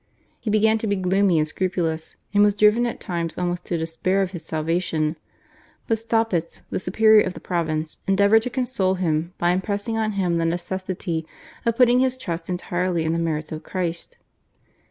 He began to be gloomy and scrupulous, and was driven at times almost to despair of his salvation; but Staupitz, the superior of the province, endeavoured to console him by impressing on him the necessity of putting his trust entirely in the merits of Christ.